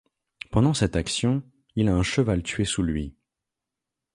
Pendant cette action, il a un cheval tué sous lui.